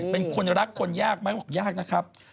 เป็นคนรักคนยากนะครับ